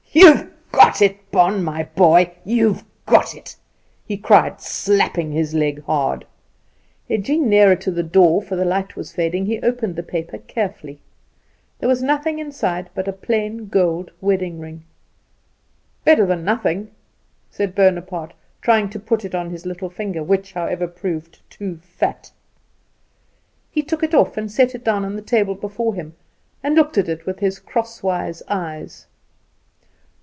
"You've got it, Bon, my boy! you've got it!" he cried, slapping his leg hard. Edging nearer to the door, for the light was fading, he opened the paper carefully. There was nothing inside but a plain gold wedding ring. "Better than nothing!" said Bonaparte, trying to put it on his little finger, which, however, proved too fat. He took it off and set it down on the table before him, and looked at it with his crosswise eyes.